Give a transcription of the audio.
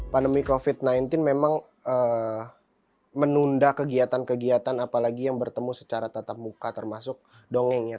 pandemi covid sembilan belas memang menunda kegiatan kegiatan apalagi yang bertemu secara tatap muka termasuk dongeng ya